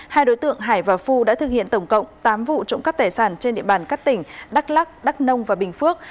hai đối tượng hải và phu đã thực hiện tổng cộng tám vụ trộm cắp tài sản trên địa bàn các tỉnh đắk lắc đắk nông và bình phước